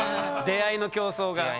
出会いの競争が。